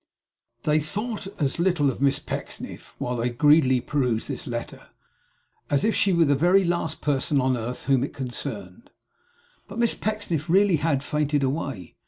They thought as little of Miss Pecksniff, while they greedily perused this letter, as if she were the very last person on earth whom it concerned. But Miss Pecksniff really had fainted away.